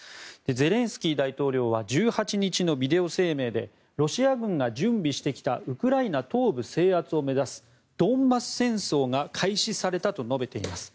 ゼレンスキー大統領は１８日のビデオ声明でロシア軍が準備してきたウクライナ東部制圧を目指すドンバス戦争が開始されたと述べています。